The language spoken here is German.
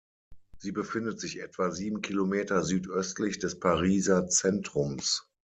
Sie befindet sich etwa sieben Kilometer südöstlich des Pariser Zentrums.